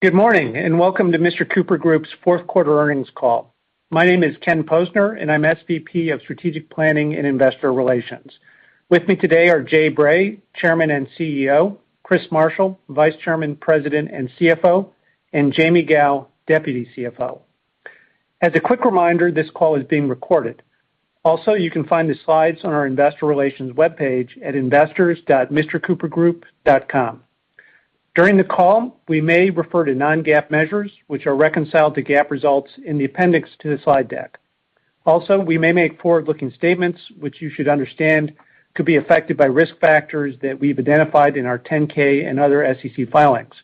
Good morning, and welcome to Mr. Cooper Group's fourth quarter earnings call. My name is Ken Posner, and I'm SVP of Strategic Planning and Investor Relations. With me today are Jay Bray, Chairman and CEO, Chris Marshall, Vice Chairman, President, and CFO, and Jaime Gow, Deputy CFO. As a quick reminder, this call is being recorded. Also, you can find the slides on our investor relations webpage at investors.mrcoopergroup.com. During the call, we may refer to non-GAAP measures, which are reconciled to GAAP results in the appendix to the slide deck. Also, we may make forward-looking statements, which you should understand could be affected by risk factors that we've identified in our 10-K and other SEC filings.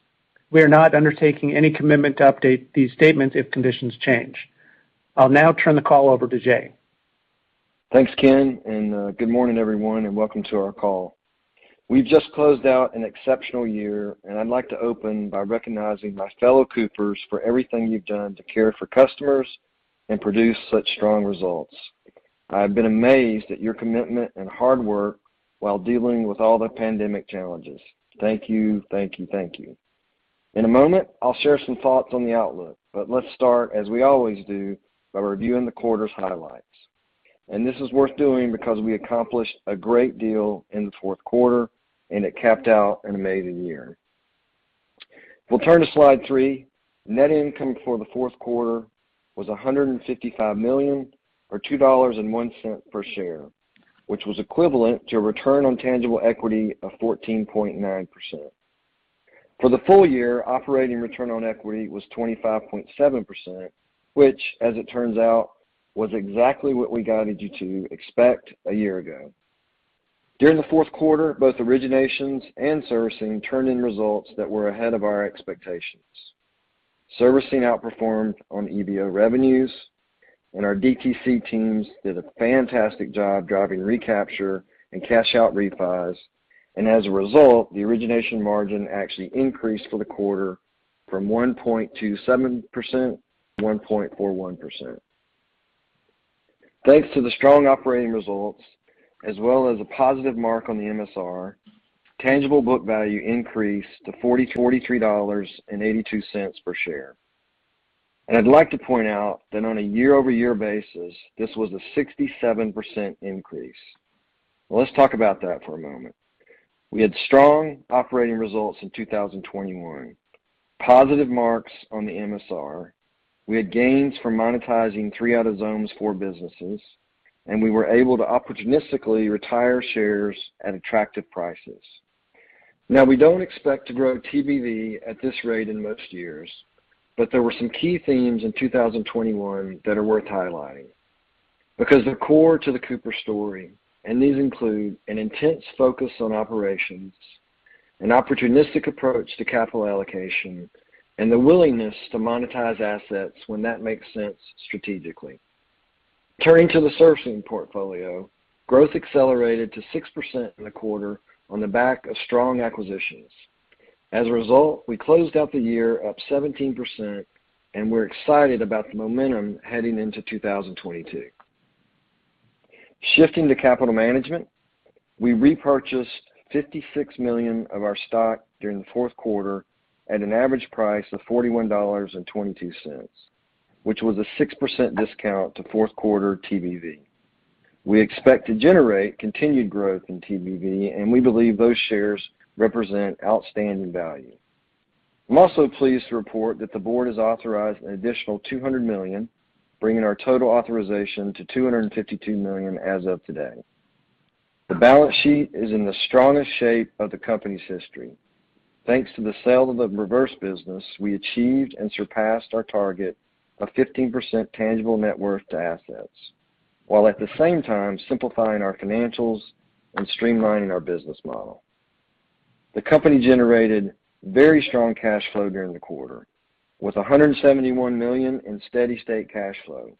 We are not undertaking any commitment to update these statements if conditions change. I'll now turn the call over to Jay. Thanks, Ken, and good morning, everyone, and welcome to our call. We've just closed out an exceptional year, and I'd like to open by recognizing my fellow Coopers for everything you've done to care for customers and produce such strong results. I've been amazed at your commitment and hard work while dealing with all the pandemic challenges. Thank you. Thank you. Thank you. In a moment, I'll share some thoughts on the outlook, but let's start, as we always do, by reviewing the quarter's highlights. This is worth doing because we accomplished a great deal in the fourth quarter, and it capped out an amazing year. If we'll turn to slide 3, net income for the fourth quarter was $155 million or $2.01 per share, which was equivalent to a return on tangible equity of 14.9%. For the full year, operating return on equity was 25.7%, which, as it turns out, was exactly what we guided you to expect a year ago. During the fourth quarter, both originations and servicing turned in results that were ahead of our expectations. Servicing outperformed on EBO revenues, and our DTC teams did a fantastic job driving recapture and cash out refis, and as a result, the origination margin actually increased for the quarter from 1.27% to 1.41%. Thanks to the strong operating results as well as a positive mark on the MSR, tangible book value increased to $43.82 per share. I'd like to point out that on a year-over-year basis, this was a 67% increase. Let's talk about that for a moment. We had strong operating results in 2021, positive marks on the MSR. We had gains from monetizing three out of Xome's four businesses, and we were able to opportunistically retire shares at attractive prices. Now, we don't expect to grow TBV at this rate in most years, but there were some key themes in 2021 that are worth highlighting because they're core to the Cooper story, and these include an intense focus on operations, an opportunistic approach to capital allocation, and the willingness to monetize assets when that makes sense strategically. Turning to the servicing portfolio, growth accelerated to 6% in the quarter on the back of strong acquisitions. As a result, we closed out the year up 17%, and we're excited about the momentum heading into 2022. Shifting to capital management, we repurchased $56 million of our stock during the fourth quarter at an average price of $41.22, which was a 6% discount to fourth quarter TBV. We expect to generate continued growth in TBV, and we believe those shares represent outstanding value. I'm also pleased to report that the board has authorized an additional $200 million, bringing our total authorization to $252 million as of today. The balance sheet is in the strongest shape of the company's history. Thanks to the sale of the reverse business, we achieved and surpassed our target of 15% tangible net worth to assets, while at the same time simplifying our financials and streamlining our business model. The company generated very strong cash flow during the quarter with $171 million in steady state cash flow.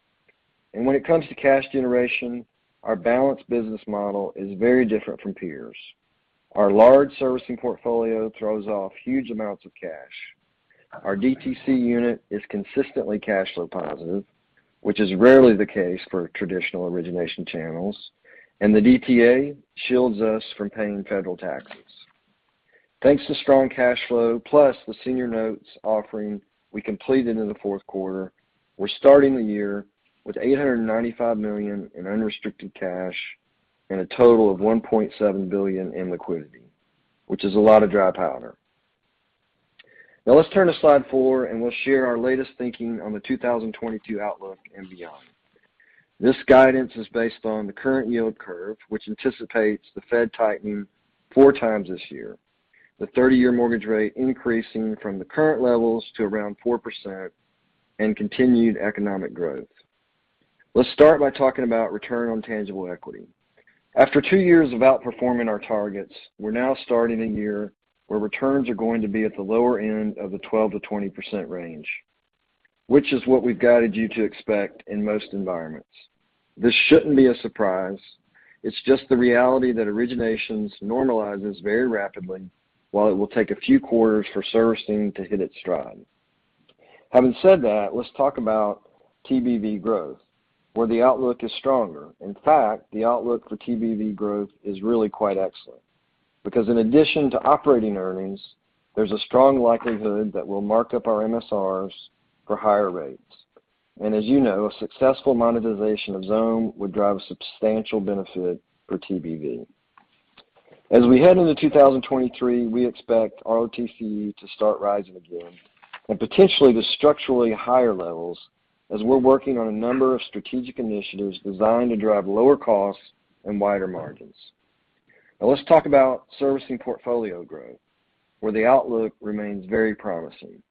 When it comes to cash generation, our balanced business model is very different from peers. Our large servicing portfolio throws off huge amounts of cash. Our DTC unit is consistently cash flow positive, which is rarely the case for traditional origination channels, and the DTA shields us from paying federal taxes. Thanks to strong cash flow plus the senior notes offering we completed in the fourth quarter, we're starting the year with $895 million in unrestricted cash and a total of $1.7 billion in liquidity, which is a lot of dry powder. Now let's turn to slide four, and we'll share our latest thinking on the 2022 outlook and beyond. This guidance is based on the current yield curve, which anticipates the Fed tighten four times this year, the thirty-year mortgage rate increasing from the current levels to around 4% and continued economic growth. Let's start by talking about return on tangible equity. After two years of outperforming our targets, we're now starting a year where returns are going to be at the lower end of the 12%-20% range, which is what we've guided you to expect in most environments. This shouldn't be a surprise. It's just the reality that originations normalizes very rapidly while it will take a few quarters for servicing to hit its stride. Having said that, let's talk about TBV growth, where the outlook is stronger. In fact, the outlook for TBV growth is really quite excellent because in addition to operating earnings, there's a strong likelihood that we'll mark up our MSRs for higher rates. As you know, a successful monetization of Xome would drive a substantial benefit for TBV. As we head into 2023, we expect ROTCE to start rising again and potentially to structurally higher levels as we're working on a number of strategic initiatives designed to drive lower costs and wider margins. Now let's talk about servicing portfolio growth, where the outlook remains very promising.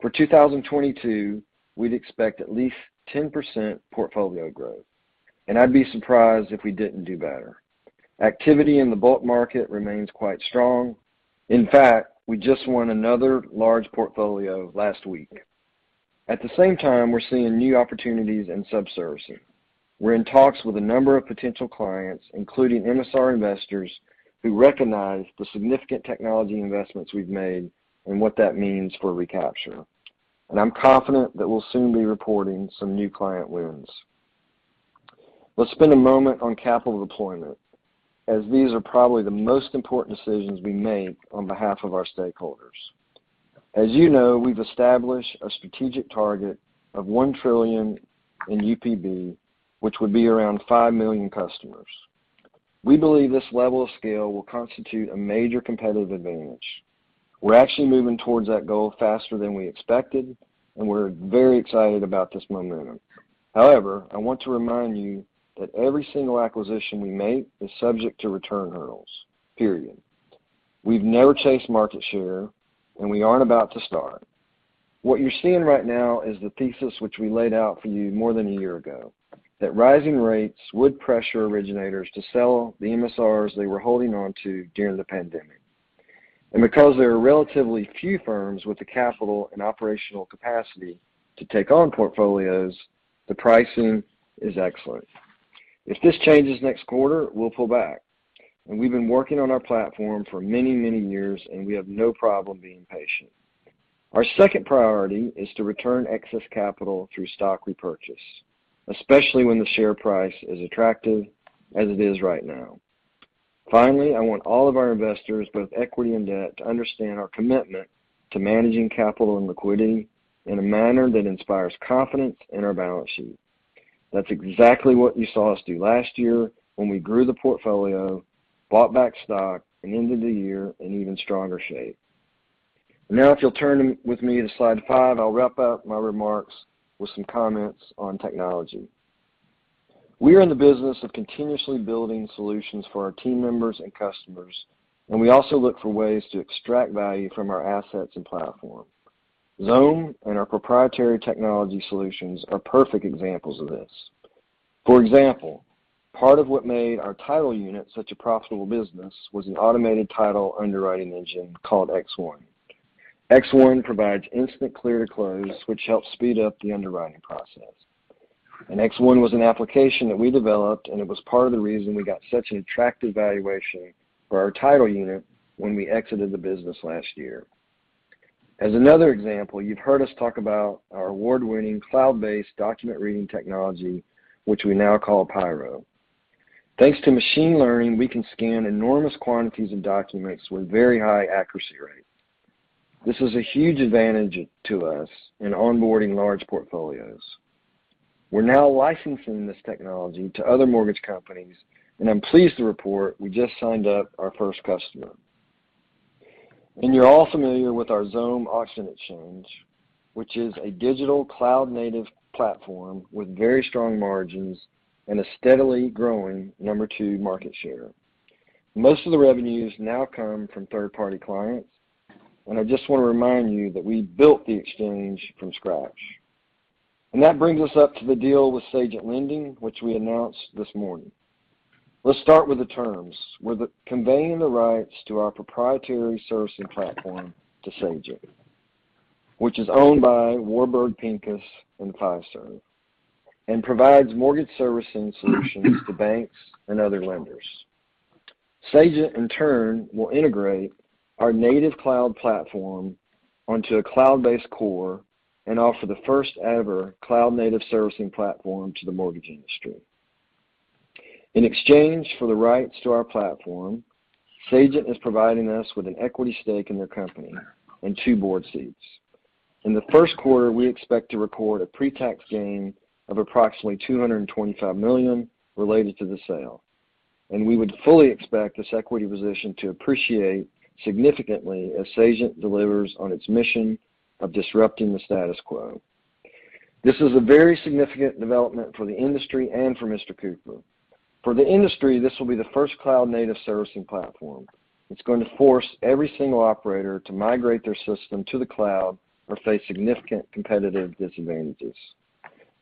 For 2022, we'd expect at least 10% portfolio growth, and I'd be surprised if we didn't do better. Activity in the bulk market remains quite strong. In fact, we just won another large portfolio last week. At the same time, we're seeing new opportunities in sub-servicing. We're in talks with a number of potential clients, including MSR investors, who recognize the significant technology investments we've made and what that means for recapture. I'm confident that we'll soon be reporting some new client wins. Let's spend a moment on capital deployment, as these are probably the most important decisions we make on behalf of our stakeholders. As you know, we've established a strategic target of $1 trillion in UPB, which would be around 5 million customers. We believe this level of scale will constitute a major competitive advantage. We're actually moving towards that goal faster than we expected, and we're very excited about this momentum. However, I want to remind you that every single acquisition we make is subject to return hurdles, period. We've never chased market share, and we aren't about to start. What you're seeing right now is the thesis which we laid out for you more than a year ago, that rising rates would pressure originators to sell the MSRs they were holding on to during the pandemic. Because there are relatively few firms with the capital and operational capacity to take on portfolios, the pricing is excellent. If this changes next quarter, we'll pull back. We've been working on our platform for many, many years, and we have no problem being patient. Our second priority is to return excess capital through stock repurchase, especially when the share price is attractive, as it is right now. Finally, I want all of our investors, both equity and debt, to understand our commitment to managing capital and liquidity in a manner that inspires confidence in our balance sheet. That's exactly what you saw us do last year when we grew the portfolio, bought back stock, and ended the year in even stronger shape. Now, if you'll turn with me to slide five, I'll wrap up my remarks with some comments on technology. We are in the business of continuously building solutions for our team members and customers, and we also look for ways to extract value from our assets and platform. Xome and our proprietary technology solutions are perfect examples of this. For example, part of what made our title unit such a profitable business was an automated title underwriting engine called X1. X1 provides instant clear to close, which helps speed up the underwriting process. X1 was an application that we developed, and it was part of the reason we got such an attractive valuation for our title unit when we exited the business last year. As another example, you've heard us talk about our award-winning cloud-based document reading technology, which we now call Pyro. Thanks to machine learning, we can scan enormous quantities of documents with very high accuracy rate. This is a huge advantage to us in onboarding large portfolios. We're now licensing this technology to other mortgage companies, and I'm pleased to report we just signed up our first customer. You're all familiar with our Xome auction exchange, which is a digital cloud-native platform with very strong margins and a steadily growing number two market share. Most of the revenues now come from third-party clients, and I just want to remind you that we built the exchange from scratch. That brings us up to the deal with Sagent Lending, which we announced this morning. Let's start with the terms. We're conveying the rights to our proprietary servicing platform to Sagent, which is owned by Warburg Pincus and Fiserv, and provides mortgage servicing solutions to banks and other lenders. Sagent, in turn, will integrate our native cloud platform onto a cloud-based core and offer the first-ever cloud-native servicing platform to the mortgage industry. In exchange for the rights to our platform, Sagent is providing us with an equity stake in their company and two board seats. In the first quarter, we expect to record a pre-tax gain of approximately $225 million related to the sale, and we would fully expect this equity position to appreciate significantly as Sagent delivers on its mission of disrupting the status quo. This is a very significant development for the industry and for Mr. Cooper. For the industry, this will be the first cloud-native servicing platform. It's going to force every single operator to migrate their system to the cloud or face significant competitive disadvantages.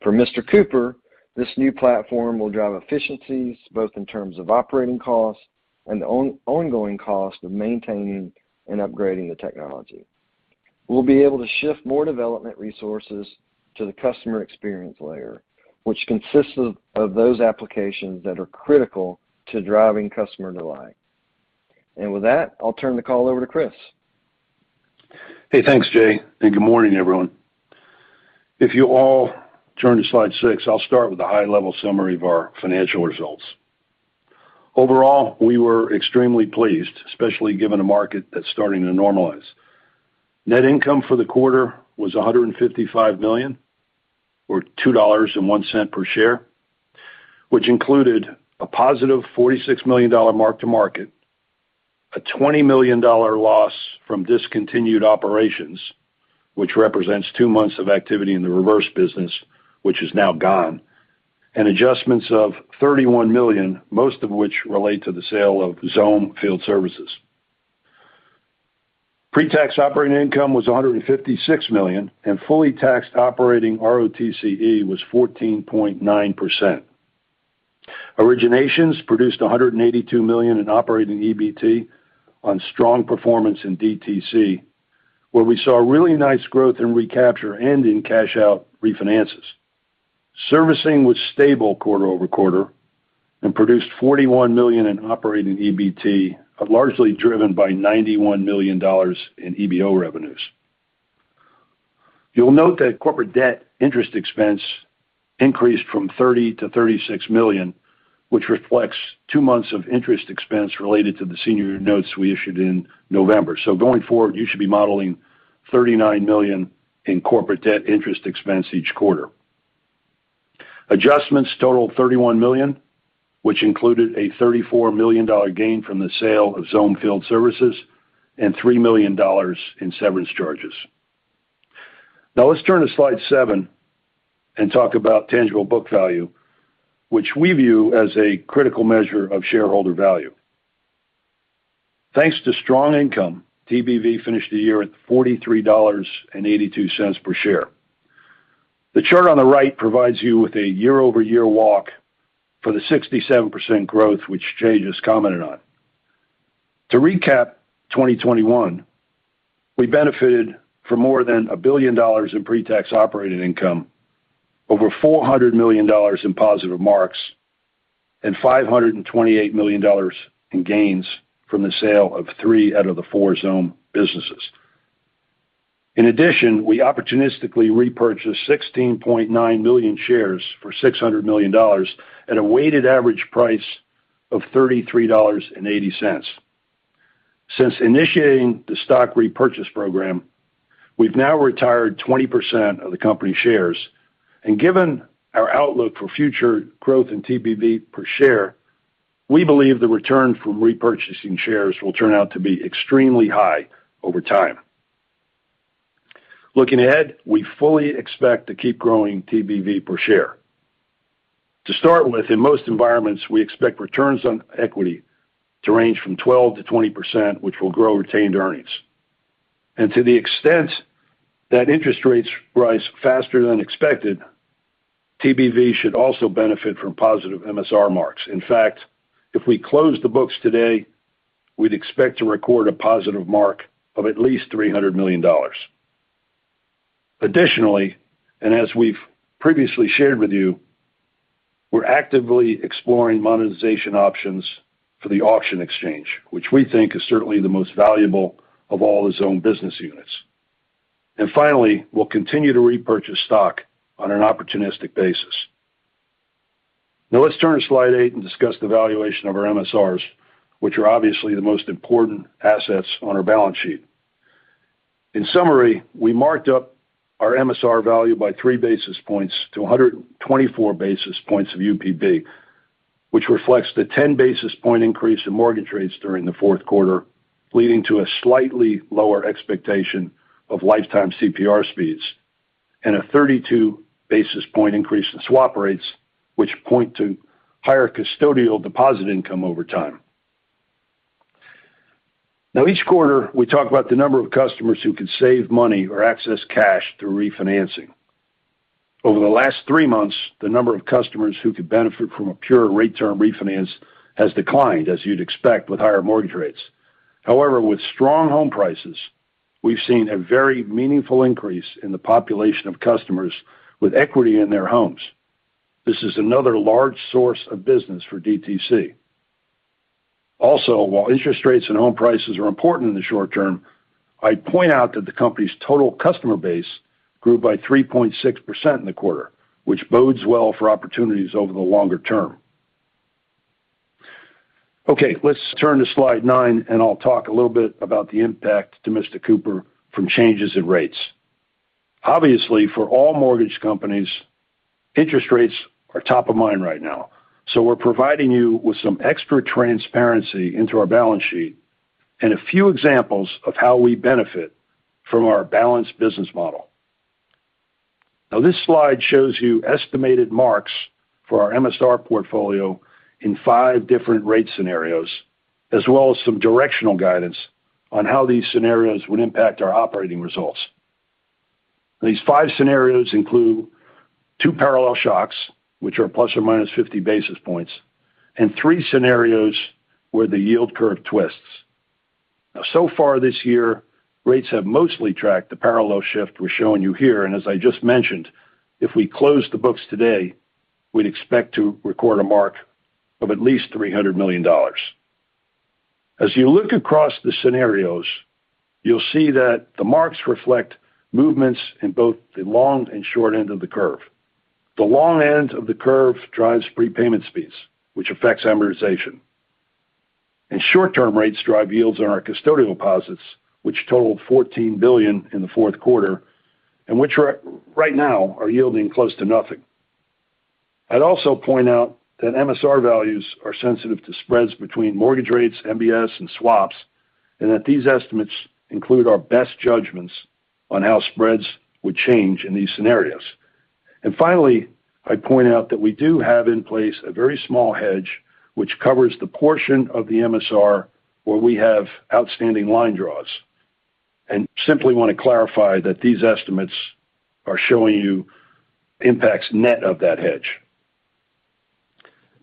For Mr. Cooper, this new platform will drive efficiencies both in terms of operating costs and the ongoing cost of maintaining and upgrading the technology. We'll be able to shift more development resources to the customer experience layer, which consists of those applications that are critical to driving customer delight. With that, I'll turn the call over to Chris. Hey, thanks, Jay, and good morning, everyone. If you all turn to slide six, I'll start with a high-level summary of our financial results. Overall, we were extremely pleased, especially given a market that's starting to normalize. Net income for the quarter was $155 million, or $2.01 per share, which included a +$46 million mark-to-market, a $20 million loss from discontinued operations, which represents two months of activity in the reverse business, which is now gone, and adjustments of $31 million, most of which relate to the sale of Xome Field Services. Pre-tax operating income was $156 million, and fully taxed operating ROTCE was 14.9%. Originations produced $182 million in operating EBT on strong performance in DTC, where we saw really nice growth in recapture and in cash-out refinances. Servicing was stable quarter-over-quarter and produced $41 million in operating EBT, largely driven by $91 million in EBO revenues. You'll note that corporate debt interest expense increased from $30 million-$36 million, which reflects two months of interest expense related to the senior notes we issued in November. Going forward, you should be modeling $39 million in corporate debt interest expense each quarter. Adjustments totaled $31 million, which included a $34 million gain from the sale of Xome Field Services and $3 million in severance charges. Now let's turn to slide seven and talk about tangible book value, which we view as a critical measure of shareholder value. Thanks to strong income, TBV finished the year at $43.82 per share. The chart on the right provides you with a year-over-year walk for the 67% growth which Jay just commented on. To recap, 2021, we benefited from more than $1 billion in pre-tax operating income, over $400 million in positive marks, and $528 million in gains from the sale of three out of the four Xome businesses. In addition, we opportunistically repurchased 16.9 million shares for $600 million at a weighted average price of $33.80. Since initiating the stock repurchase program, we've now retired 20% of the company shares, and given our outlook for future growth in TBV per share, we believe the return from repurchasing shares will turn out to be extremely high over time. Looking ahead, we fully expect to keep growing TBV per share. To start with, in most environments, we expect returns on equity to range from 12%-20%, which will grow retained earnings. To the extent that interest rates rise faster than expected, TBV should also benefit from positive MSR marks. In fact, if we close the books today, we'd expect to record a positive mark of at least $300 million. Additionally, and as we've previously shared with you, we're actively exploring monetization options for the auction exchange, which we think is certainly the most valuable of all the Xome business units. Finally, we'll continue to repurchase stock on an opportunistic basis. Now let's turn to slide eight and discuss the valuation of our MSRs, which are obviously the most important assets on our balance sheet. In summary, we marked up our MSR value by 3 basis points to 124 basis points of UPB, which reflects the 10 basis point increase in mortgage rates during the fourth quarter, leading to a slightly lower expectation of lifetime CPR speeds and a 32 basis point increase in swap rates, which point to higher custodial deposit income over time. Now, each quarter, we talk about the number of customers who could save money or access cash through refinancing. Over the last three months, the number of customers who could benefit from a pure rate term refinance has declined, as you'd expect with higher mortgage rates. However, with strong home prices, we've seen a very meaningful increase in the population of customers with equity in their homes. This is another large source of business for DTC. Also, while interest rates and home prices are important in the short term, I'd point out that the company's total customer base grew by 3.6% in the quarter, which bodes well for opportunities over the longer term. Okay, let's turn to slide nine, and I'll talk a little bit about the impact to Mr. Cooper from changes in rates. Obviously, for all mortgage companies, interest rates are top of mind right now. So we're providing you with some extra transparency into our balance sheet and a few examples of how we benefit from our balanced business model. Now, this slide shows you estimated marks for our MSR portfolio in five different rate scenarios, as well as some directional guidance on how these scenarios would impact our operating results. These five scenarios include two parallel shocks, which are ±50 basis points, and three scenarios where the yield curve twists. Now so far this year, rates have mostly tracked the parallel shift we're showing you here, and as I just mentioned, if we close the books today, we'd expect to record a mark of at least $300 million. As you look across the scenarios, you'll see that the marks reflect movements in both the long and short end of the curve. The long end of the curve drives prepayment speeds, which affects amortization. Short-term rates drive yields on our custodial deposits, which totaled $14 billion in the fourth quarter, and which right now are yielding close to nothing. I'd also point out that MSR values are sensitive to spreads between mortgage rates, MBS, and swaps, and that these estimates include our best judgments on how spreads would change in these scenarios. Finally, I'd point out that we do have in place a very small hedge which covers the portion of the MSR where we have outstanding line draws, and simply want to clarify that these estimates are showing you impacts net of that hedge.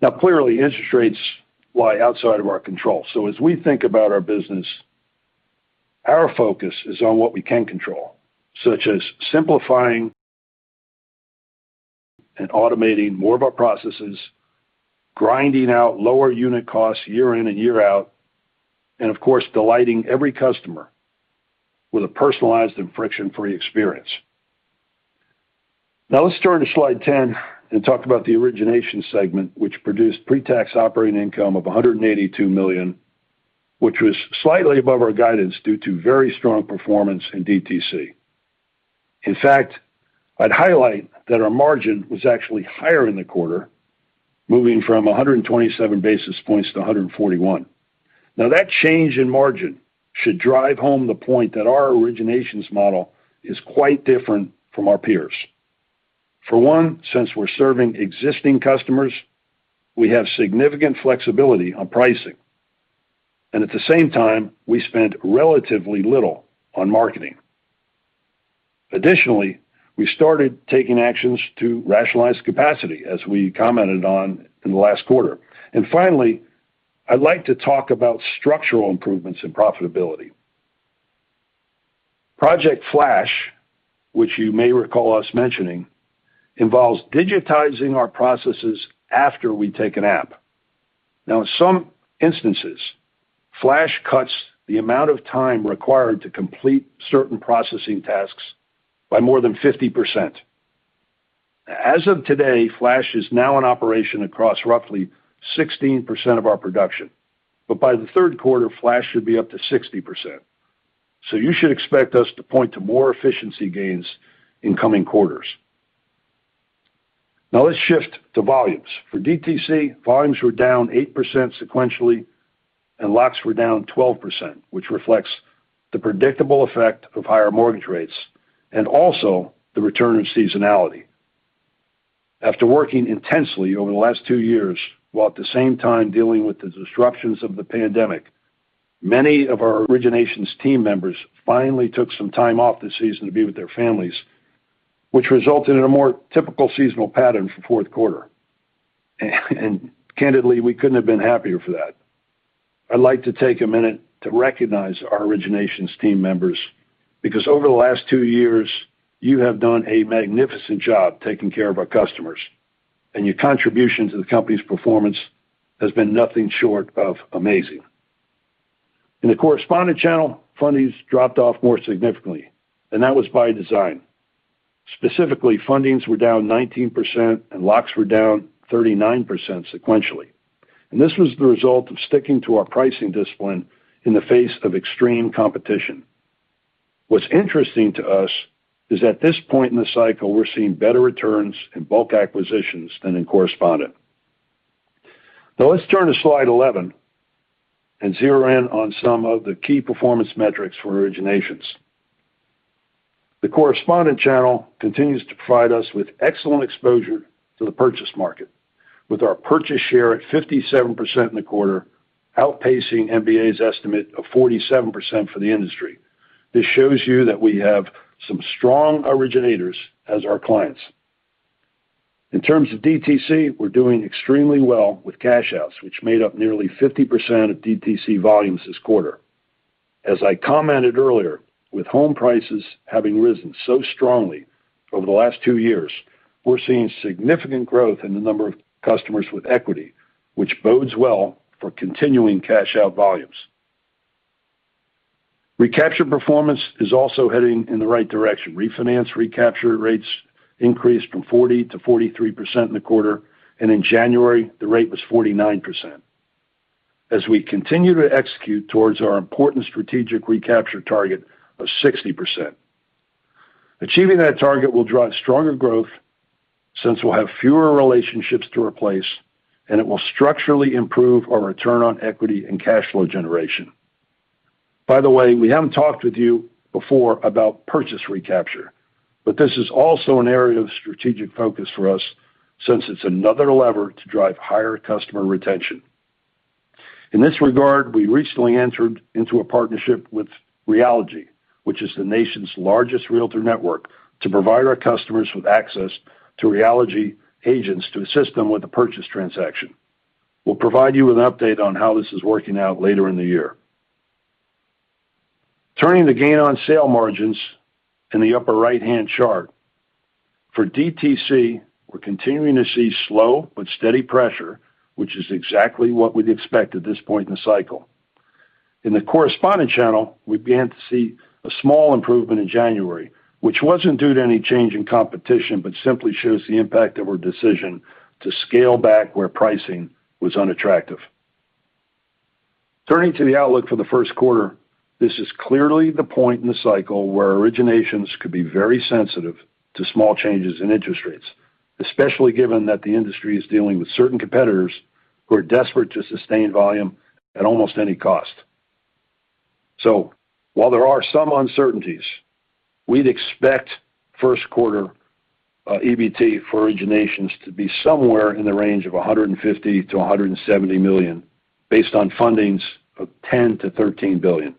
Now, clearly, interest rates lie outside of our control. As we think about our business, our focus is on what we can control, such as simplifying and automating more of our processes, grinding out lower unit costs year in and year out, and of course, delighting every customer with a personalized and friction-free experience. Now let's turn to slide 10 and talk about the origination segment, which produced pre-tax operating income of $182 million, which was slightly above our guidance due to very strong performance in DTC. In fact, I'd highlight that our margin was actually higher in the quarter, moving from 127 basis points to 141. Now, that change in margin should drive home the point that our originations model is quite different from our peers. For one, since we're serving existing customers, we have significant flexibility on pricing. At the same time, we spent relatively little on marketing. Additionally, we started taking actions to rationalize capacity as we commented on in the last quarter. Finally, I'd like to talk about structural improvements in profitability. Project Flash, which you may recall us mentioning, involves digitizing our processes after we take an app. In some instances, Flash cuts the amount of time required to complete certain processing tasks by more than 50%. As of today, Flash is now in operation across roughly 16% of our production. By the third quarter, Flash should be up to 60%. You should expect us to point to more efficiency gains in coming quarters. Now let's shift to volumes. For DTC, volumes were down 8% sequentially, and locks were down 12%, which reflects the predictable effect of higher mortgage rates, and also the return of seasonality. After working intensely over the last two years, while at the same time dealing with the disruptions of the pandemic, many of our originations team members finally took some time off this season to be with their families, which resulted in a more typical seasonal pattern for fourth quarter. Candidly, we couldn't have been happier for that. I'd like to take a minute to recognize our originations team members because over the last two years, you have done a magnificent job taking care of our customers, and your contribution to the company's performance has been nothing short of amazing. In the correspondent channel, fundings dropped off more significantly, and that was by design. Specifically, fundings were down 19% and locks were down 39% sequentially. This was the result of sticking to our pricing discipline in the face of extreme competition. What's interesting to us is at this point in the cycle, we're seeing better returns in bulk acquisitions than in correspondent. Now let's turn to slide 11 and zero in on some of the key performance metrics for originations. The correspondent channel continues to provide us with excellent exposure to the purchase market. With our purchase share at 57% in the quarter, outpacing MBA's estimate of 47% for the industry. This shows you that we have some strong originators as our clients. In terms of DTC, we're doing extremely well with cash outs, which made up nearly 50% of DTC volumes this quarter. As I commented earlier, with home prices having risen so strongly over the last two years, we're seeing significant growth in the number of customers with equity, which bodes well for continuing cash out volumes. Recapture performance is also heading in the right direction. Refinance recapture rates increased from 40% to 43% in the quarter, and in January, the rate was 49%. As we continue to execute towards our important strategic recapture target of 60%. Achieving that target will drive stronger growth since we'll have fewer relationships to replace, and it will structurally improve our return on equity and cash flow generation. By the way, we haven't talked with you before about purchase recapture, but this is also an area of strategic focus for us since it's another lever to drive higher customer retention. In this regard, we recently entered into a partnership with Realogy, which is the nation's largest realtor network to provide our customers with access to Realogy agents to assist them with the purchase transaction. We'll provide you with an update on how this is working out later in the year. Turning to gain on sale margins in the upper right-hand chart. For DTC, we're continuing to see slow but steady pressure, which is exactly what we'd expect at this point in the cycle. In the correspondent channel, we began to see a small improvement in January, which wasn't due to any change in competition, but simply shows the impact of our decision to scale back where pricing was unattractive. Turning to the outlook for the first quarter, this is clearly the point in the cycle where originations could be very sensitive to small changes in interest rates, especially given that the industry is dealing with certain competitors who are desperate to sustain volume at almost any cost. While there are some uncertainties, we'd expect first quarter EBT for originations to be somewhere in the range of $150 million-$170 million based on fundings of $10 billion-$13 billion.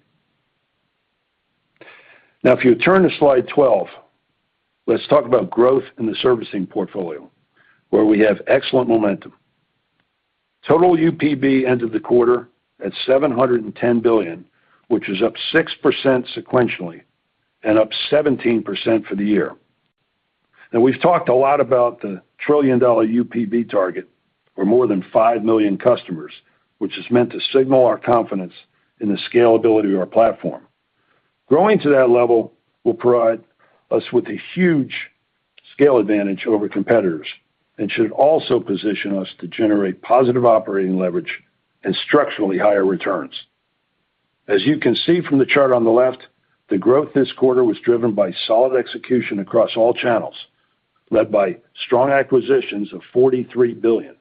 Now, if you turn to slide 12, let's talk about growth in the servicing portfolio, where we have excellent momentum. Total UPB ended the quarter at $710 billion, which is up 6% sequentially and up 17% for the year. Now, we've talked a lot about the $1 trillion UPB target or more than 5 million customers, which is meant to signal our confidence in the scalability of our platform. Growing to that level will provide us with a huge scale advantage over competitors and should also position us to generate positive operating leverage and structurally higher returns. As you can see from the chart on the left, the growth this quarter was driven by solid execution across all channels, led by strong acquisitions of $43 billion.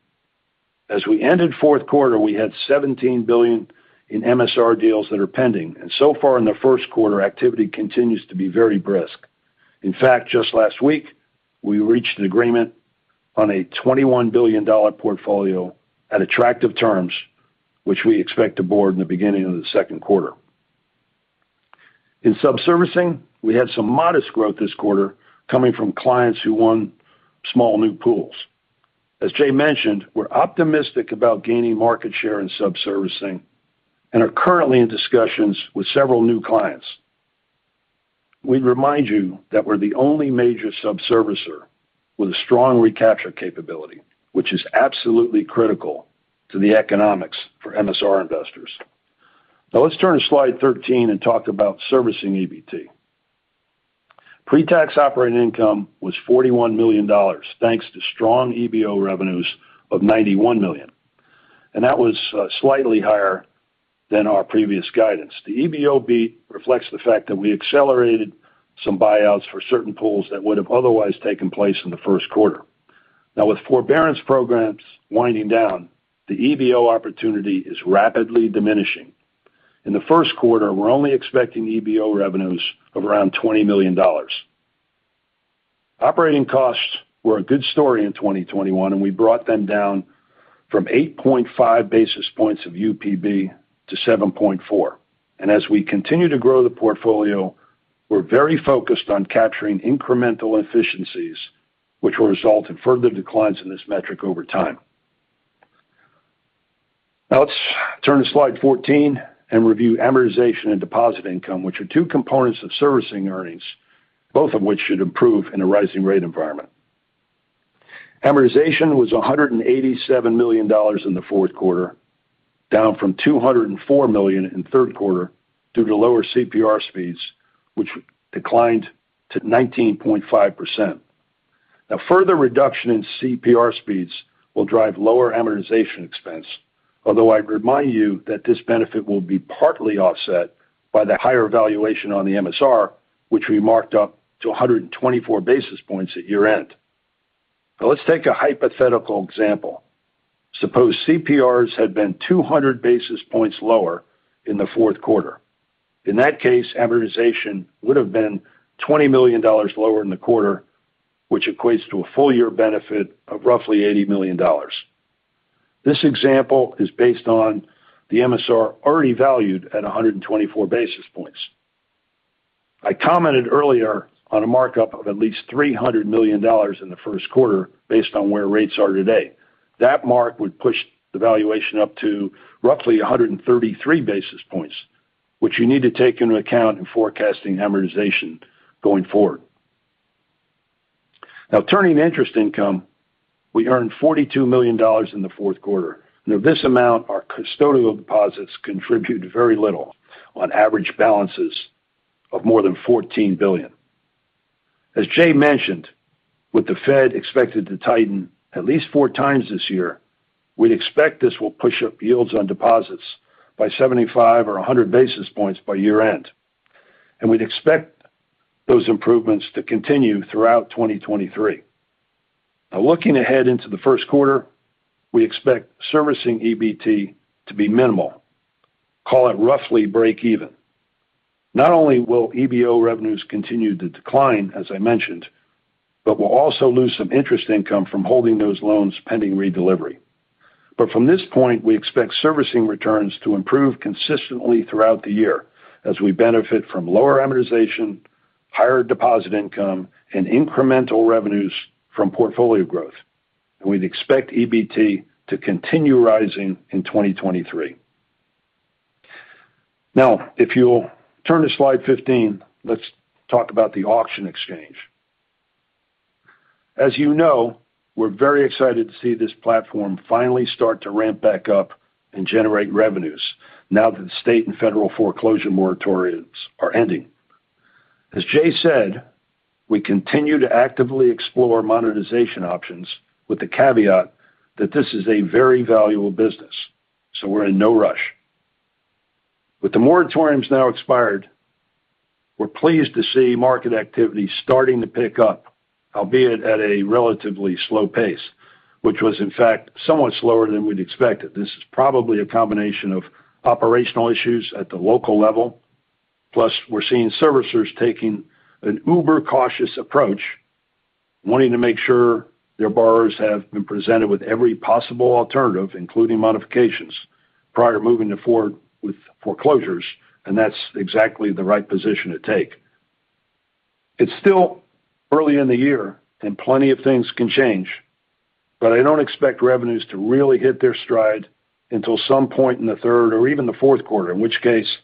As we ended fourth quarter, we had $17 billion in MSR deals that are pending, and so far in the first quarter, activity continues to be very brisk. In fact, just last week, we reached an agreement on a $21 billion portfolio at attractive terms, which we expect to board in the beginning of the second quarter. In subservicing, we had some modest growth this quarter coming from clients who won small new pools. As Jay mentioned, we're optimistic about gaining market share in subservicing and are currently in discussions with several new clients. We remind you that we're the only major subservicer with a strong recapture capability, which is absolutely critical to the economics for MSR investors. Now let's turn to slide 13 and talk about servicing EBT. Pre-tax operating income was $41 million, thanks to strong EBO revenues of $91 million. That was slightly higher than our previous guidance. The EBO beat reflects the fact that we accelerated some buyouts for certain pools that would have otherwise taken place in the first quarter. Now with forbearance programs winding down, the EBO opportunity is rapidly diminishing. In the first quarter, we're only expecting EBO revenues of around $20 million. Operating costs were a good story in 2021, and we brought them down from 8.5 basis points of UPB to 7.4. As we continue to grow the portfolio, we're very focused on capturing incremental efficiencies, which will result in further declines in this metric over time. Now let's turn to slide 14 and review amortization and deposit income, which are two components of servicing earnings, both of which should improve in a rising rate environment. Amortization was $187 million in the fourth quarter, down from $204 million in third quarter due to lower CPR speeds, which declined to 19.5%. Further reduction in CPR speeds will drive lower amortization expense. Although I'd remind you that this benefit will be partly offset by the higher valuation on the MSR, which we marked up to 124 basis points at year-end. Let's take a hypothetical example. Suppose CPRs had been 200 basis points lower in the fourth quarter. In that case, amortization would have been $20 million lower in the quarter, which equates to a full year benefit of roughly $80 million. This example is based on the MSR already valued at 124 basis points. I commented earlier on a markup of at least $300 million in the first quarter based on where rates are today. That mark would push the valuation up to roughly 133 basis points, which you need to take into account in forecasting amortization going forward. Now turning interest income, we earned $42 million in the fourth quarter. Now this amount, our custodial deposits contribute very little on average balances of more than $14 billion. As Jay mentioned, with the Fed expected to tighten at least 4x this year, we'd expect this will push up yields on deposits by 75 or 100 basis points by year-end. We'd expect those improvements to continue throughout 2023. Now looking ahead into the first quarter, we expect servicing EBT to be minimal. Call it roughly break even. Not only will EBO revenues continue to decline, as I mentioned, but we'll also lose some interest income from holding those loans pending redelivery. From this point, we expect servicing returns to improve consistently throughout the year as we benefit from lower amortization, higher deposit income, and incremental revenues from portfolio growth. We'd expect EBT to continue rising in 2023. Now, if you'll turn to slide 15, let's talk about the auction exchange. As you know, we're very excited to see this platform finally start to ramp back up and generate revenues now that the state and federal foreclosure moratoriums are ending. As Jay said, we continue to actively explore monetization options with the caveat that this is a very valuable business, so we're in no rush. With the moratoriums now expired, we're pleased to see market activity starting to pick up, albeit at a relatively slow pace, which was in fact somewhat slower than we'd expected. This is probably a combination of operational issues at the local level. Plus, we're seeing servicers taking an uber cautious approach, wanting to make sure their borrowers have been presented with every possible alternative, including modifications, prior to moving forward with foreclosures, and that's exactly the right position to take. It's still early in the year and plenty of things can change, but I don't expect revenues to really hit their stride until some point in the third or even the fourth quarter. In which case,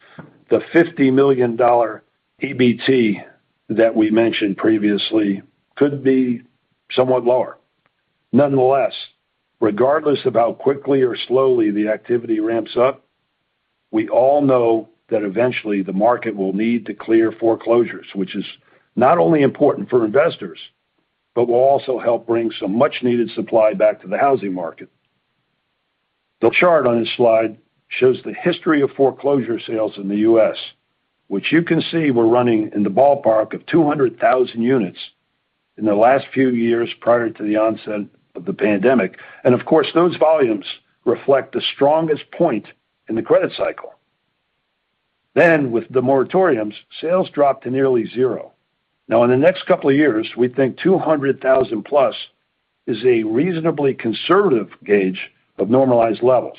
the $50 million EBT that we mentioned previously could be somewhat lower. Nonetheless, regardless of how quickly or slowly the activity ramps up, we all know that eventually the market will need to clear foreclosures, which is not only important for investors, but will also help bring some much-needed supply back to the housing market. The chart on this slide shows the history of foreclosure sales in the U.S., which you can see were running in the ballpark of 200,000 units in the last few years prior to the onset of the pandemic. Of course, those volumes reflect the strongest point in the credit cycle. With the moratoriums, sales dropped to nearly zero. Now in the next couple of years, we think 200,000+ is a reasonably conservative gauge of normalized levels.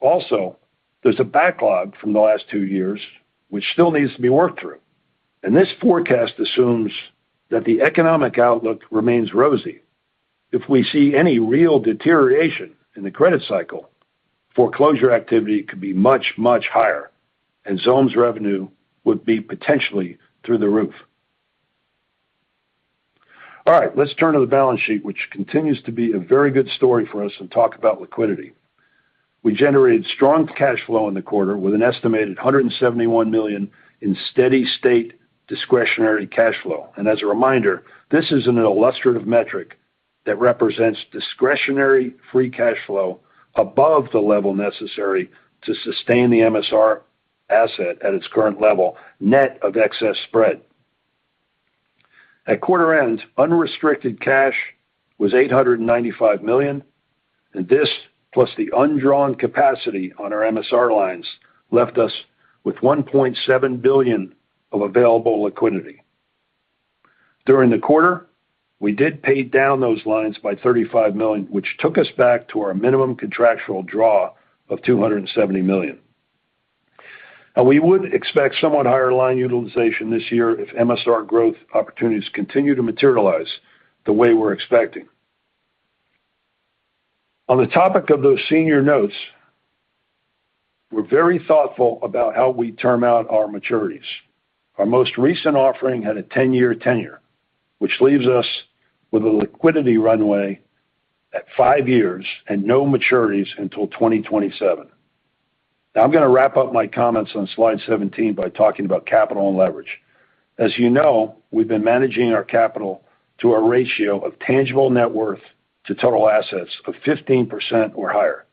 Also, there's a backlog from the last two years which still needs to be worked through. This forecast assumes that the economic outlook remains rosy. If we see any real deterioration in the credit cycle, foreclosure activity could be much, much higher, and Xome's revenue would be potentially through the roof. All right, let's turn to the balance sheet, which continues to be a very good story for us, and talk about liquidity. We generated strong cash flow in the quarter with an estimated $171 million in steady-state discretionary cash flow. As a reminder, this is an illustrative metric that represents discretionary free cash flow above the level necessary to sustain the MSR asset at its current level, net of excess spread. At quarter end, unrestricted cash was $895 million, and this plus the undrawn capacity on our MSR lines left us with $1.7 billion of available liquidity. During the quarter, we did pay down those lines by $35 million, which took us back to our minimum contractual draw of $270 million. We would expect somewhat higher line utilization this year if MSR growth opportunities continue to materialize the way we're expecting. On the topic of those senior notes, we're very thoughtful about how we term out our maturities. Our most recent offering had a 10-year tenure, which leaves us with a liquidity runway at five years and no maturities until 2027. Now I'm gonna wrap up my comments on slide 17 by talking about capital and leverage. As you know, we've been managing our capital to a ratio of tangible net worth to total assets of 15% or higher.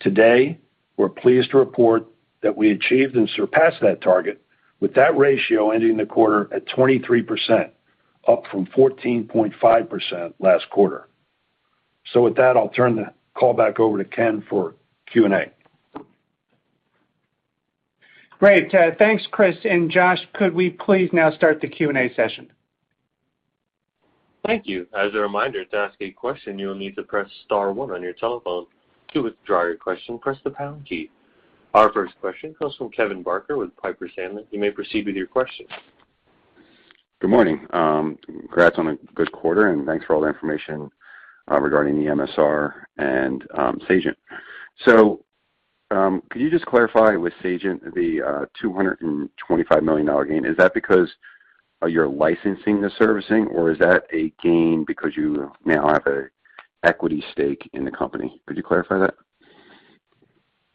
Today, we're pleased to report that we achieved and surpassed that target with that ratio ending the quarter at 23%, up from 14.5% last quarter. With that, I'll turn the call back over to Ken for Q&A. Great. Thanks, Chris and Josh. Could we please now start the Q&A session? Thank you. As a reminder, to ask a question, you will need to press star one on your telephone. To withdraw your question, press the pound key. Our first question comes from Kevin Barker with Piper Sandler. You may proceed with your question. Good morning. Congrats on a good quarter, and thanks for all the information regarding the MSR and Sagent. Could you just clarify with Sagent, the $225 million gain, is that because you're licensing the servicing or is that a gain because you now have an equity stake in the company? Could you clarify that?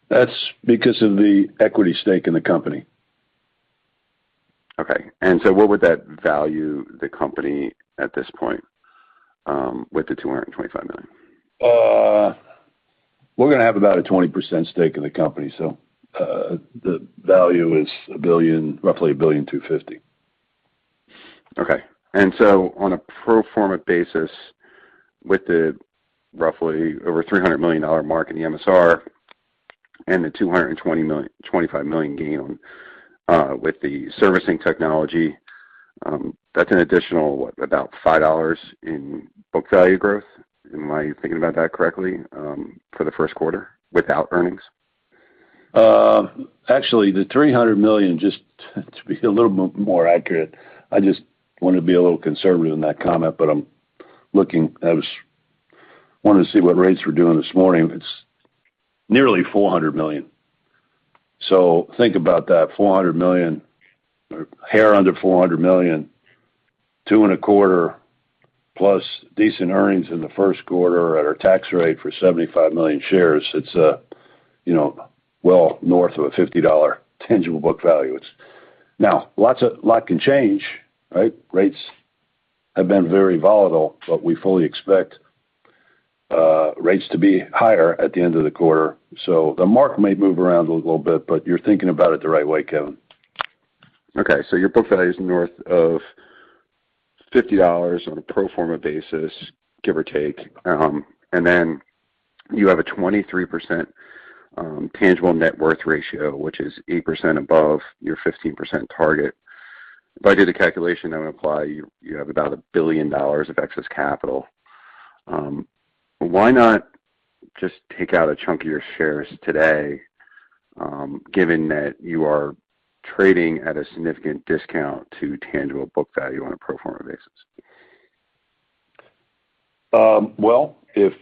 That's because of the equity stake in the company. Okay. What would that value the company at this point, with the $225 million? We're gonna have about a 20% stake in the company, so the value is roughly $1.25 billion. Okay. On a pro forma basis, with the roughly over $300 million mark in the MSR and the $25 million gain with the servicing technology, that's an additional, what? About $5 in book value growth? Am I thinking about that correctly, for the first quarter without earnings? Actually, the $300 million, just to be a little bit more accurate, I just wanted to be a little conservative in that comment, but I'm looking. I was wanting to see what rates were doing this morning. It's nearly $400 million. So think about that. $400 million or hair under $400 million, 2.25, plus decent earnings in the first quarter at our tax rate for 75 million shares. It's, you know, well north of $50 tangible book value. Now, lot can change, right? Rates have been very volatile, but we fully expect rates to be higher at the end of the quarter. So the mark may move around a little bit, but you're thinking about it the right way, Kevin. Okay. Your book value is north of $50 on a pro forma basis, give or take. You have a 23% tangible net worth ratio, which is 8% above your 15% target. If I do the calculation, that would imply you have about $1 billion of excess capital. Why not just take out a chunk of your shares today, given that you are trading at a significant discount to tangible book value on a pro forma basis? Well, if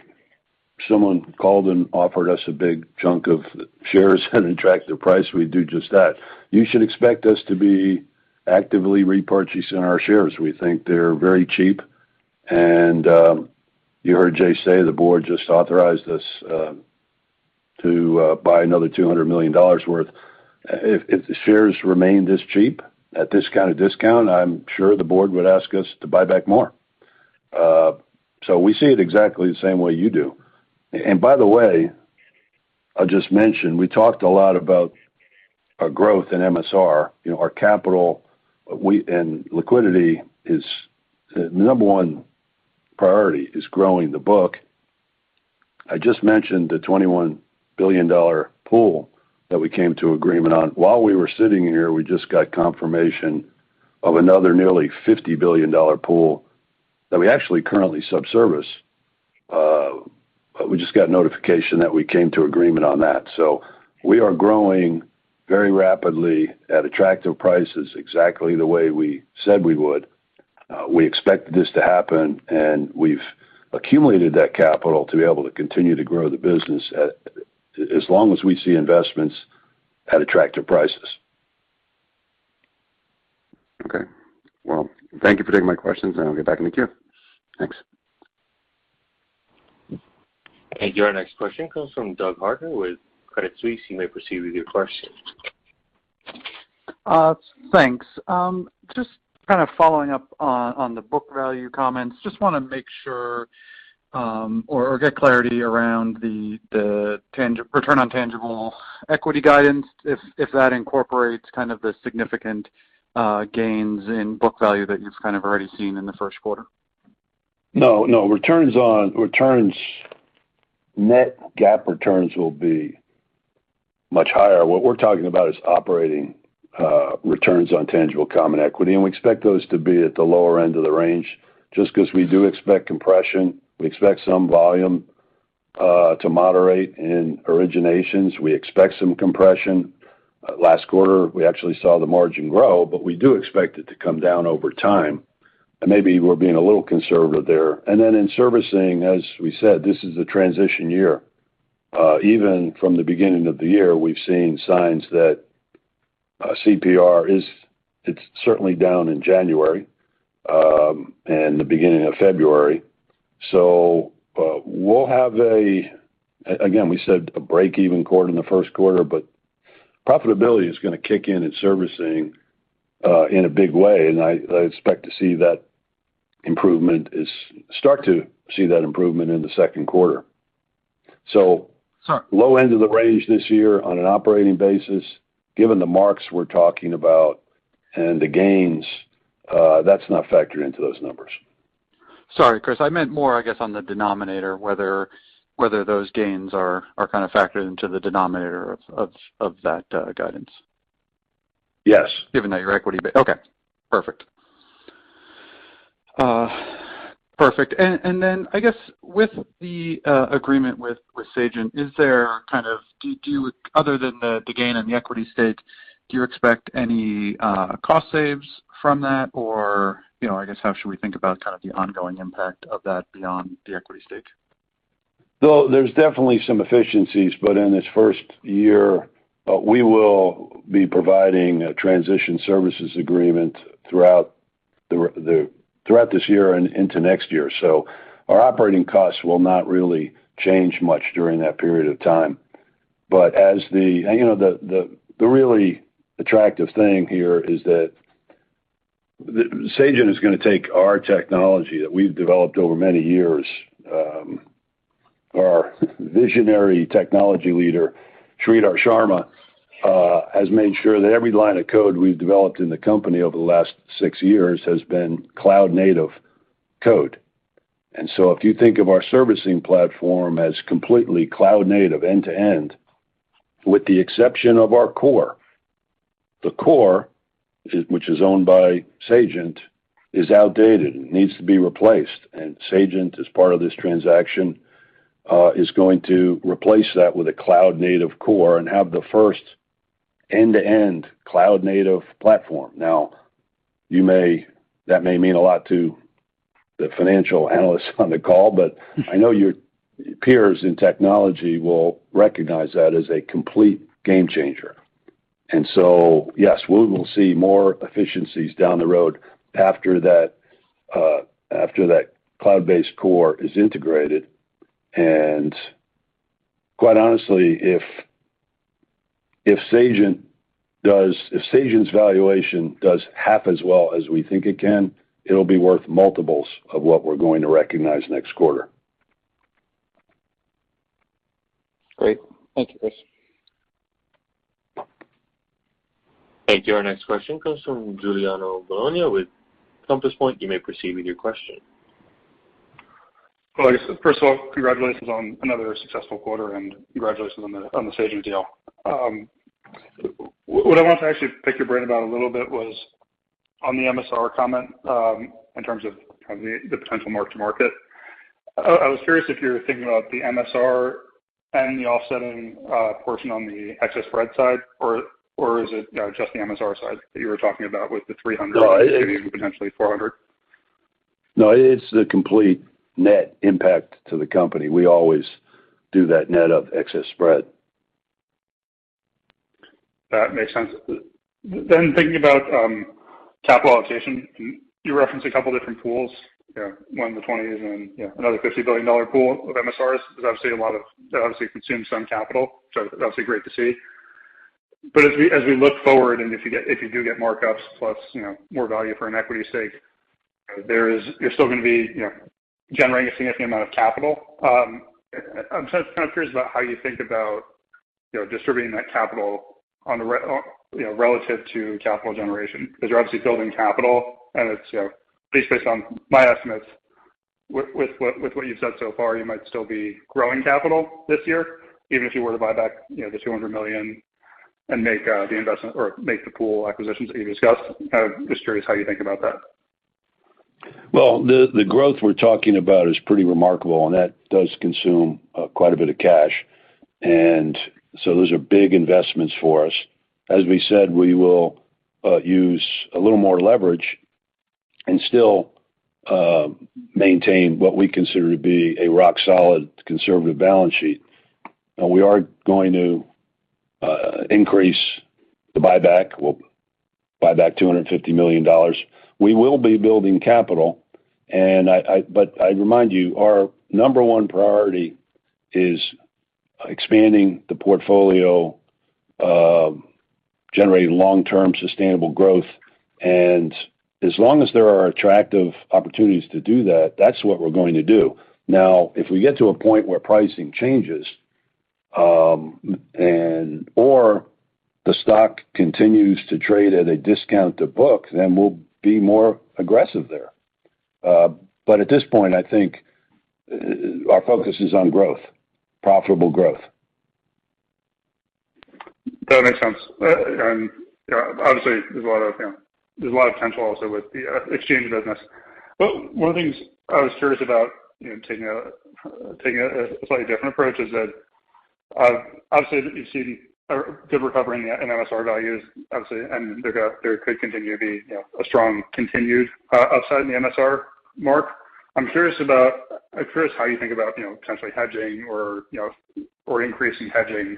someone called and offered us a big chunk of shares at an attractive price, we'd do just that. You should expect us to be actively repurchasing our shares. We think they're very cheap. You heard Jay say the board just authorized us to buy another $200 million worth. If the shares remain this cheap at this kind of discount, I'm sure the board would ask us to buy back more. We see it exactly the same way you do. By the way, I just mentioned we talked a lot about our growth in MSR. You know, our capital and liquidity is the number one priority is growing the book. I just mentioned the $21 billion pool that we came to agreement on. While we were sitting here, we just got confirmation of another nearly $50 billion pool that we actually currently subservice. We just got notification that we came to agreement on that. We are growing very rapidly at attractive prices exactly the way we said we would. We expect this to happen, and we've accumulated that capital to be able to continue to grow the business as long as we see investments at attractive prices. Okay. Well, thank you for taking my questions, and I'll get back in the queue. Thanks. Your next question comes from Doug Harter with Credit Suisse. You may proceed with your question. Thanks. Just kind of following up on the book value comments. Just wanna make sure, or get clarity around the return on tangible equity guidance if that incorporates kind of the significant gains in book value that you've kind of already seen in the first quarter. No, no. Net GAAP returns will be much higher. What we're talking about is operating returns on tangible common equity, and we expect those to be at the lower end of the range. Just 'cause we do expect compression, we expect some volume to moderate in originations. We expect some compression. Last quarter, we actually saw the margin grow, but we do expect it to come down over time. Maybe we're being a little conservative there. Then in servicing, as we said, this is a transition year. Even from the beginning of the year, we've seen signs that CPR is certainly down in January and the beginning of February. We'll have a break-even quarter in the first quarter, but profitability is gonna kick in at servicing in a big way. I expect to start to see that improvement in the second quarter. Low end of the range this year on an operating basis, given the marks we're talking about and the gains, that's not factored into those numbers. Sorry, Chris. I meant more, I guess, on the denominator, whether those gains are kind of factored into the denominator of that guidance. Yes. I guess with the agreement with Sagent, other than the gain on the equity stake, do you expect any cost savings from that? Or, you know, I guess, how should we think about kind of the ongoing impact of that beyond the equity stake? There's definitely some efficiencies, but in this first year, we will be providing a transition services agreement throughout this year and into next year. Our operating costs will not really change much during that period of time. You know, the really attractive thing here is that Sagent is gonna take our technology that we've developed over many years. Our visionary technology leader, Sridhar Sharma, has made sure that every line of code we've developed in the company over the last six years has been cloud-native code. If you think of our servicing platform as completely cloud-native end-to-end, with the exception of our core. The core, which is owned by Sagent, is outdated and needs to be replaced, and Sagent, as part of this transaction, is going to replace that with a cloud-native core and have the first end-to-end cloud-native platform. Now, that may mean a lot to the financial analysts on the call, but I know your peers in technology will recognize that as a complete game changer. Yes, we will see more efficiencies down the road after that cloud-based core is integrated. Quite honestly, if Sagent's valuation does half as well as we think it can, it'll be worth multiples of what we're going to recognize next quarter. Great. Thank you, Chris. Thank you. Our next question comes from Giuliano Bologna with Compass Point. You may proceed with your question. Well, I guess, first of all, congratulations on another successful quarter, and congratulations on the Sagent deal. What I wanted to actually pick your brain about a little bit was on the MSR comment, in terms of, kind of the potential mark-to-market. I was curious if you were thinking about the MSR and the offsetting portion on the excess spread side or is it, you know, just the MSR side that you were talking about with the 300, potentially 400? No, it's the complete net impact to the company. We always do that net of excess spread. That makes sense. Thinking about capital allocation, you referenced a couple different pools. You know, one in the 20s and, you know, another $50 billion pool of MSRs. That obviously consumes some capital, so that's great to see. As we look forward and if you do get mark-ups plus, you know, more value for an equity stake, you're still gonna be, you know, generating a significant amount of capital. I'm kind of curious about how you think about, you know, distributing that capital, you know, relative to capital generation. Because you're obviously building capital, and it's, you know, at least based on my estimates, with what you've said so far, you might still be growing capital this year, even if you were to buy back, you know, the $200 million and make the investment or make the pool acquisitions that you discussed. Kind of just curious how you think about that. Well, the growth we're talking about is pretty remarkable, and that does consume quite a bit of cash. Those are big investments for us. As we said, we will use a little more leverage and still maintain what we consider to be a rock solid, conservative balance sheet. Now we are going to increase the buyback. We'll buy back $250 million. We will be building capital, but I remind you, our number one priority is expanding the portfolio, generating long-term sustainable growth. As long as there are attractive opportunities to do that's what we're going to do. Now, if we get to a point where pricing changes or the stock continues to trade at a discount to book, then we'll be more aggressive there. At this point, I think our focus is on growth, profitable growth. That makes sense. You know, obviously there's a lot of potential also with the exchange business. One of the things I was curious about, you know, taking a slightly different approach is that, obviously you've seen a good recovery in the MSR values, obviously, and there could continue to be, you know, a strong continued upside in the MSR mark. I'm curious how you think about, you know, potentially hedging or, you know, or increasing hedging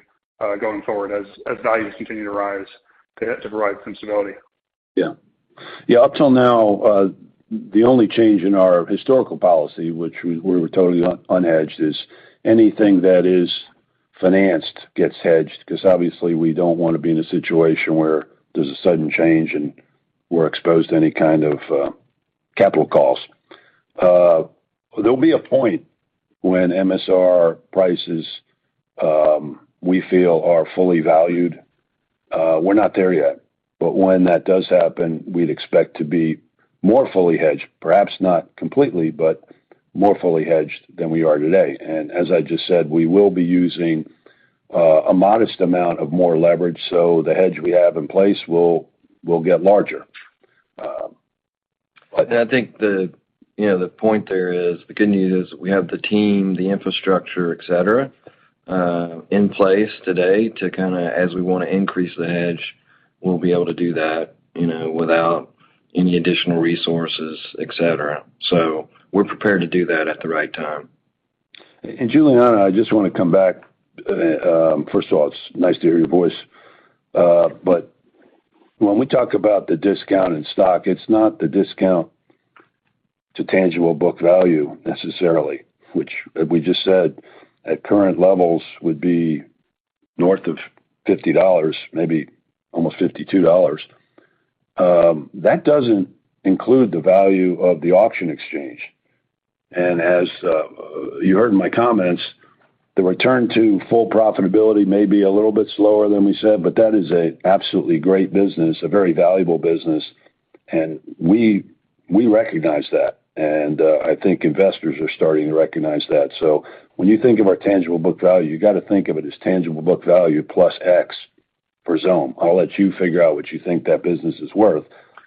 going forward as values continue to rise to provide some stability. Yeah. Yeah, up till now, the only change in our historical policy, which we were totally unhedged, is anything that is financed gets hedged 'cause obviously we don't wanna be in a situation where there's a sudden change and we're exposed to any kind of capital costs. There'll be a point when MSR prices we feel are fully valued. We're not there yet, but when that does happen, we'd expect to be more fully hedged, perhaps not completely, but more fully hedged than we are today. As I just said, we will be using a modest amount of more leverage, so the hedge we have in place will get larger. I think the, you know, the point there is, the good news is we have the team, the infrastructure, et cetera, in place today to kinda as we wanna increase the hedge, we'll be able to do that, you know, without any additional resources, et cetera. We're prepared to do that at the right time. Giuliano, I just wanna come back. First of all, it's nice to hear your voice. But when we talk about the discount in stock, it's not the discount to tangible book value necessarily, which as we just said, at current levels would be north of $50, maybe almost $52. That doesn't include the value of the auction exchange. As you heard in my comments, the return to full profitability may be a little bit slower than we said, but that is an absolutely great business, a very valuable business, and we recognize that, and I think investors are starting to recognize that. When you think of our tangible book value, you gotta think of it as tangible book value plus X for Xome. I'll let you figure out what you think that business is worth,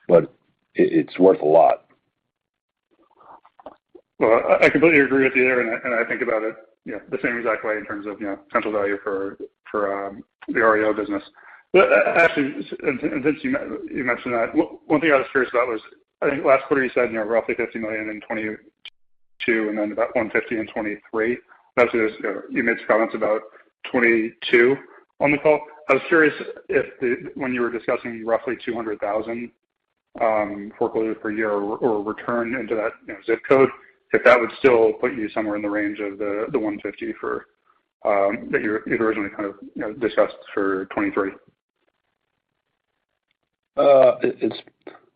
but it's worth a lot. Well, I completely agree with you there, and I think about it, you know, the same exact way in terms of, you know, potential value for the REO business. Actually, Chris, you mentioned that. One thing I was curious about was, I think last quarter you said, you know, roughly $50 million in 2022, and then about $150 million in 2023. That's just, you know, you made some comments about 2022 on the call. I was curious if when you were discussing roughly 200,000 foreclosures per year or return into that, you know, zip code, if that would still put you somewhere in the range of the $150 million for 2023 that you'd originally kind of, you know, discussed for 2023. It's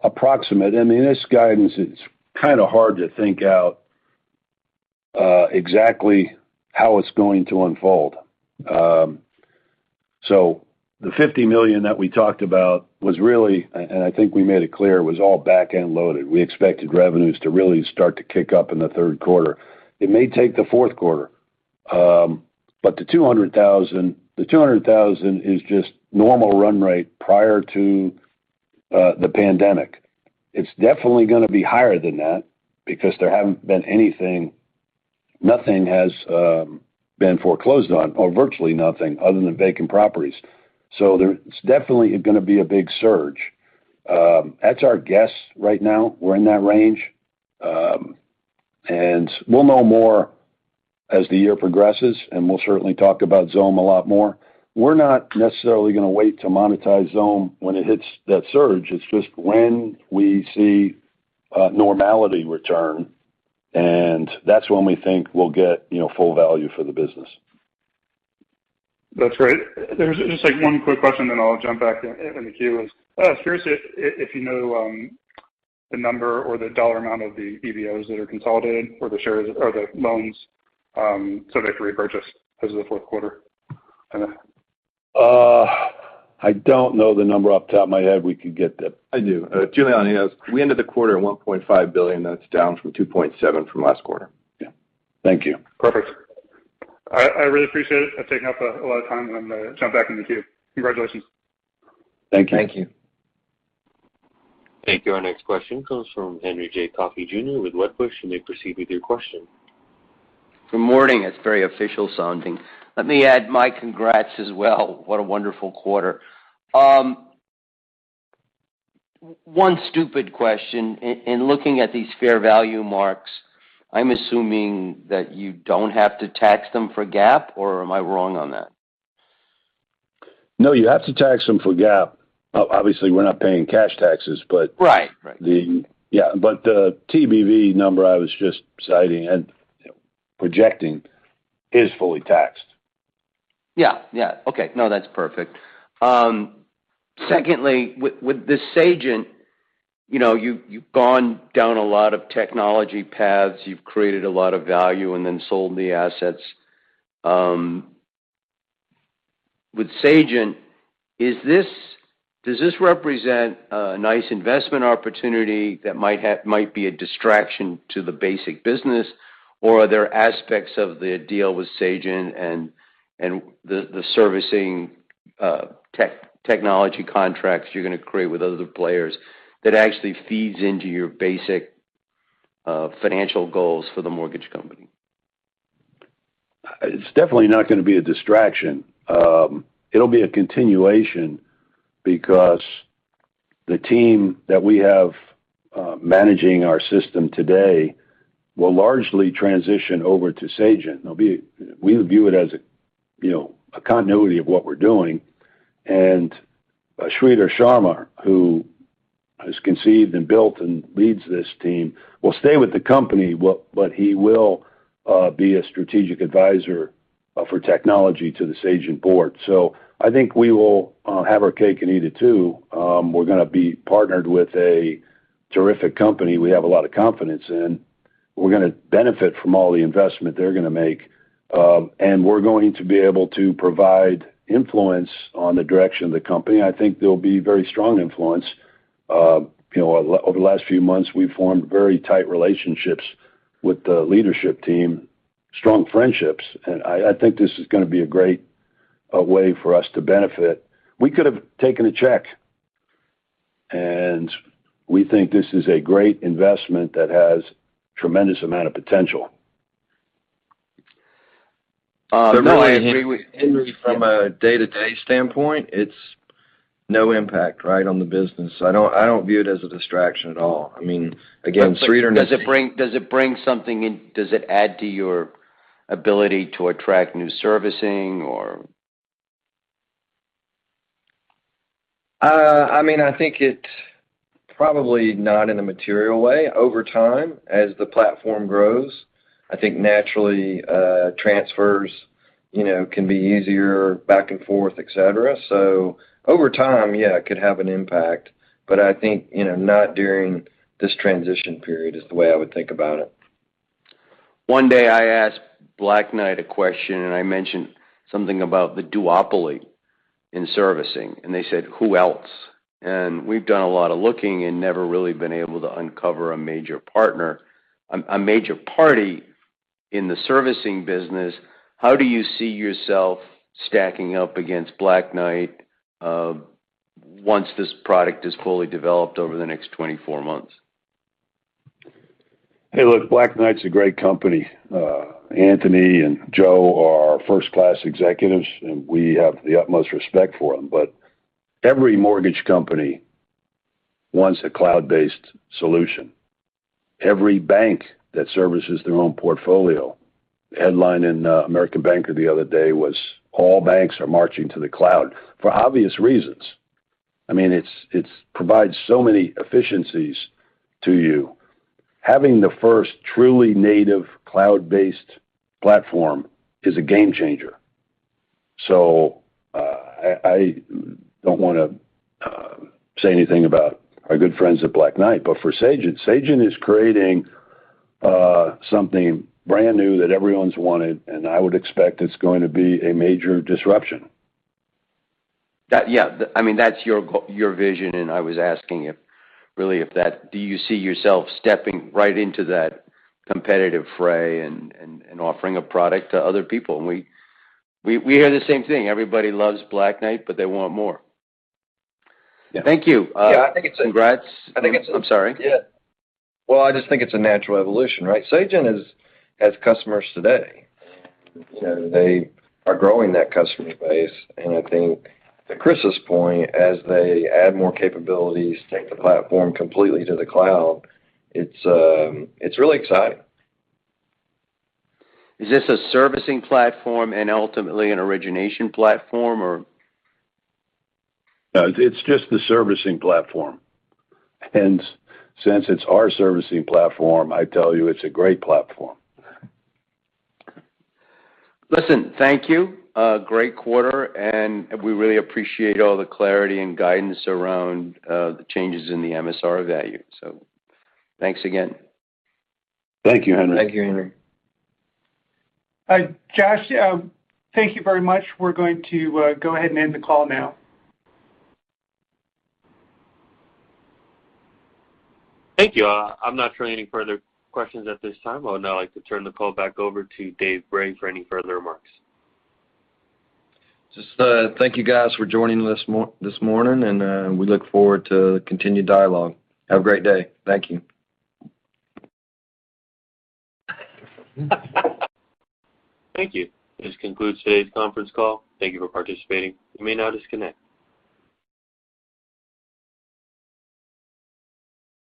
approximate. I mean, this guidance is kinda hard to think out exactly how it's going to unfold. So the $50 million that we talked about was really, and I think we made it clear, it was all back-end loaded. We expected revenues to really start to kick up in the third quarter. It may take the fourth quarter, but the $200,000 is just normal run-rate prior to the pandemic. It's definitely gonna be higher than that because there hasn't been anything foreclosed on, or virtually nothing other than vacant properties. So there's definitely gonna be a big surge. That's our guess right now. We're in that range. We'll know more as the year progresses, and we'll certainly talk about Xome a lot more. We're not necessarily gonna wait to monetize Xome when it hits that surge. It's just when we see normality return, and that's when we think we'll get, you know, full value for the business. That's great. There's just, like, one quick question, then I'll jump back in the queue is curious if you know the number or the dollar amount of the EBOs that are consolidated or the shares or the loans subject to repurchase as of the fourth quarter? I don't know the number off the top of my head. We could get that. I do. Giuliano on this. We ended the quarter at $1.5 billion. That's down from $2.7 billion from last quarter. Yeah. Thank you. Perfect. I really appreciate it. I've taken up a lot of time. I'm gonna jump back in the queue. Congratulations. Thank you. Thank you. Thank you. Our next question comes from Henry J. Coffey Jr. with Wedbush. You may proceed with your question. Good morning. That's very official sounding. Let me add my congrats as well. What a wonderful quarter. One stupid question. In looking at these fair value marks, I'm assuming that you don't have to tax them for GAAP, or am I wrong on that? No, you have to tax them for GAAP. Obviously, we're not paying cash taxes, but- Right. The TBV number I was just citing and, you know, projecting is fully taxed. Yeah. Okay. No, that's perfect. Secondly, with the Sagent, you know, you've gone down a lot of technology paths. You've created a lot of value and then sold the assets. With Sagent, does this represent a nice investment opportunity that might be a distraction to the basic business, or are there aspects of the deal with Sagent and the servicing technology contracts you're gonna create with other players that actually feeds into your basic financial goals for the mortgage company? It's definitely not gonna be a distraction. It'll be a continuation because the team that we have managing our system today will largely transition over to Sagent. We view it as, you know, a continuity of what we're doing. Sridhar Sharma, who has conceived and built and leads this team, will stay with the company, but he will be a strategic advisor for technology to the Sagent board. I think we will have our cake and eat it too. We're gonna be partnered with a terrific company we have a lot of confidence in. We're gonna benefit from all the investment they're gonna make, and we're going to be able to provide influence on the direction of the company, and I think they'll be very strong influence. You know, over the last few months, we've formed very tight relationships with the leadership team, strong friendships, and I think this is gonna be a great way for us to benefit. We could have taken a check, and we think this is a great investment that has tremendous amount of potential. Really, I agree with Henry from a day-to-day standpoint. It's no impact, right, on the business. I don't view it as a distraction at all. I mean, again, Sridhar and his- Does it bring something in? Does it add to your ability to attract new servicing or? I mean, I think it's probably not in a material way. Over time, as the platform grows, I think naturally, transfers, you know, can be easier back and forth, et cetera. Over time, yeah, it could have an impact. I think, you know, not during this transition period is the way I would think about it. One day I asked Black Knight a question, and I mentioned something about the duopoly in servicing, and they said, "Who else?" We've done a lot of looking and never really been able to uncover a major partner, a major party in the servicing business. How do you see yourself stacking up against Black Knight, once this product is fully developed over the next 24 months? Hey, look, Black Knight's a great company. Anthony and Joe are first-class executives, and we have the utmost respect for them. Every mortgage company wants a cloud-based solution. Every bank that services their own portfolio. The headline in American Banker the other day was, "All banks are marching to the cloud," for obvious reasons. I mean, it provides so many efficiencies to you. Having the first truly native cloud-based platform is a game changer. I don't wanna say anything about our good friends at Black Knight. For Sagent is creating something brand new that everyone's wanted, and I would expect it's going to be a major disruption. That, yeah. I mean, that's your vision, and I was asking if, really if that. Do you see yourself stepping right into that competitive fray and offering a product to other people? We hear the same thing. Everybody loves Black Knight, but they want more. Yeah. Thank you. Yeah, I think it's. Congrats. I think it's- I'm sorry. Yeah. Well, I just think it's a natural evolution, right? Sagent has customers today, and they are growing that customer base. I think to Chris's point, as they add more capabilities, take the platform completely to the cloud, it's really exciting. Is this a servicing platform and ultimately an origination platform or? No, it's just the servicing platform. Since it's our servicing platform, I tell you it's a great platform. Listen, thank you. A great quarter, and we really appreciate all the clarity and guidance around the changes in the MSR value. Thanks again. Thank you, Henry. Thank you, Henry. Josh, thank you very much. We're going to go ahead and end the call now. Thank you. I'm not showing any further questions at this time. I would now like to turn the call back over to Jay Bray for any further remarks. Just, thank you guys for joining this morning, and we look forward to continued dialogue. Have a great day. Thank you. Thank you. This concludes today's conference call. Thank you for participating. You may now disconnect.